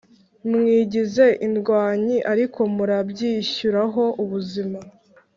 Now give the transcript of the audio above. mwigize indwanyi ariko murabyishyuraho ubuzima